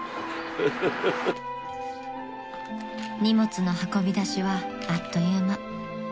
［荷物の運び出しはあっという間］